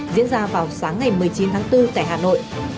diễn ra vào sáng ngày một mươi chín tháng bốn tại hà nội